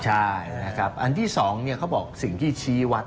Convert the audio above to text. ใช่นะครับอันที่๒เขาบอกสิ่งที่ชี้วัด